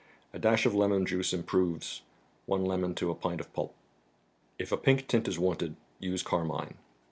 A dash of lemon juice improves (one lemon to a pint of pulp). If a pink tint is wanted, use Carmine.